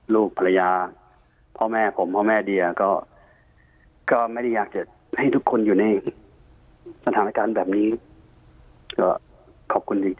ลูกภรรยาพ่อแม่ผมพ่อแม่เดียก็ไม่ได้อยากจะให้ทุกคนอยู่ในสถานการณ์แบบนี้ก็ขอบคุณดี